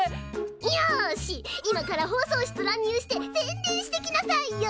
よし今から放送室乱入して宣伝してきなさいよ！